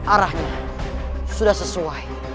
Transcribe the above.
arahnya sudah sesuai